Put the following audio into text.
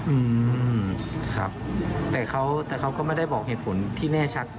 อืมครับแต่เขาแต่เขาก็ไม่ได้บอกเหตุผลที่แน่ชัด